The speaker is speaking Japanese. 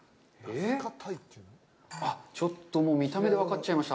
ちょっと見た目で分かっちゃいました。